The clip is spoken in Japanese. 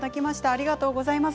ありがとうございます。